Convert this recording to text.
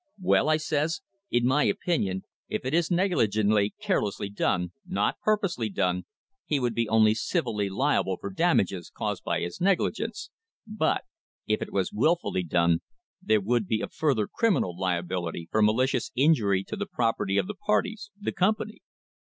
'Well,' I says, 'in my opinion, if it is negligently, carelessly done, not purposely done, he would be only civilly liable for damages caused by his negligence; but if it was wilfully done, there would be a further criminal liability for malicious injury to the property of the parties, the company.'